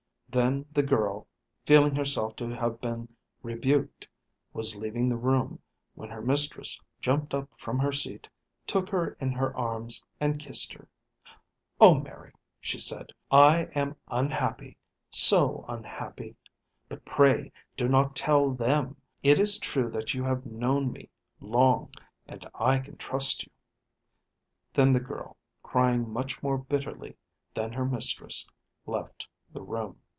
Then the girl, feeling herself to have been rebuked, was leaving the room, when her mistress jumped up from her seat, took her in her arms, and kissed her. "Oh, Mary," she said, "I am unhappy, so unhappy! But pray do not tell them. It is true that you have known me long, and I can trust you." Then the girl, crying much more bitterly than her mistress, left the room.